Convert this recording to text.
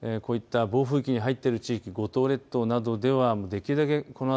こういった暴風域に入っている地域、五島列島などではできるだけ